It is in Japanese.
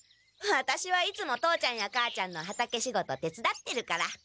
ワタシはいつも父ちゃんや母ちゃんの畑仕事てつだってるから。